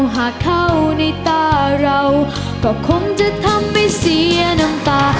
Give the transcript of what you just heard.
หากเข้าในตาเราก็คงจะทำให้เสียน้ำตา